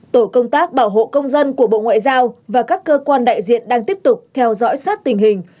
tổ công tác bảo hộ công dân của bộ ngoại giao và các cơ quan đại diện đang tiếp tục theo dõi sát tình hình